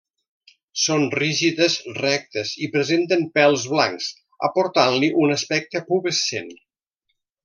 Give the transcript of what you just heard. Són rígides, rectes i presenten pèls blancs aportant-li un aspecte pubescent.